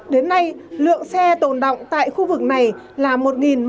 đến nay lượng xe tồn động tại khu vực này là một một trăm tám mươi tám xe